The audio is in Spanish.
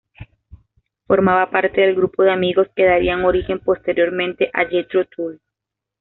Formaba parte del grupo de amigos que darían origen, posteriormente, a Jethro Tull.